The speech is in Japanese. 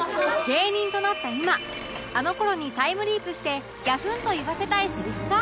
芸人となった今あの頃にタイムリープしてぎゃふんと言わせたいセリフが